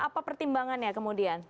apa pertimbangannya kemudian